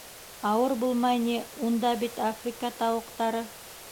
— Ауыр булмай ни, унда бит Африка тауыҡтары...